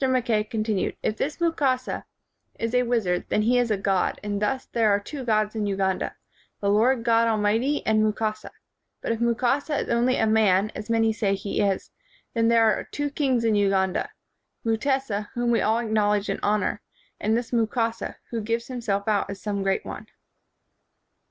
Mackay continued: "If this Mukasa 118 KING AND WIZARD is a wizard, then he is a god, and thus there are two gods in Uganda — the Lord God Al mighty and Mukasa ; but if Mukasa is only a man, as many say he is, then there are two kings in Uganda — Mutesa, whom we all acknowledge and honor, and this Mukasa, who gives himself out as some great one."